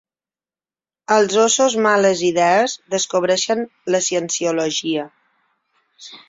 Els Ossos Males Idees descobreixen la Cienciologia.